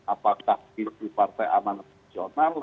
apakah itu partai aman regional